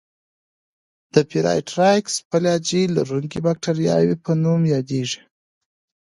د پېرایټرایکس فلاجیل لرونکو باکتریاوو په نوم یادیږي.